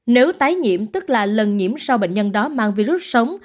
nếu tái nhiễm tức là lần nhiễm sau bệnh nhân đó mang virus sống